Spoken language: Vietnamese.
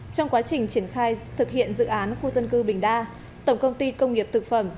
trong quá trình triển khai thực hiện dự án khu dân cư bình đa tổng công ty công nghiệp thực phẩm